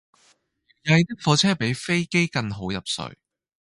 搖曳的火車比飛機更好入睡